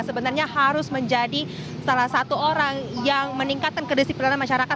sebenarnya harus menjadi salah satu orang yang meningkatkan kedisiplinan masyarakat